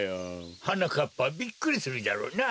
はなかっぱびっくりするじゃろうな。